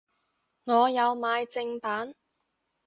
我有買正版